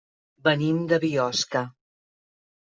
Venim de Biosca.